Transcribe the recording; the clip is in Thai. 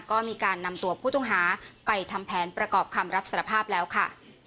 ก็มีการนำตัวผู้ต้องหาไปทำแผนประกอบคำรับสารภาพแล้วค่ะ